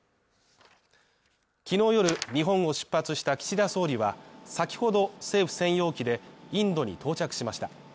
昨日夜、日本を出発した岸田総理は、先ほど政府専用機でインドに到着しました。